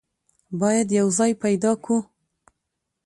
بايد يو ځای پيدا کو.